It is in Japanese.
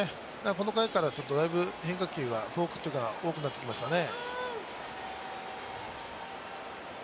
この回から変化球、フォークが多くなってきますよね。